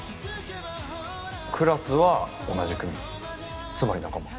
クラスは同じ組つまり仲間。